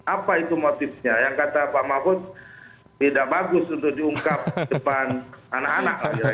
apa itu motifnya yang kata pak mahfud tidak bagus untuk diungkap depan anak anak